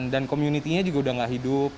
dan community nya juga udah nggak hidup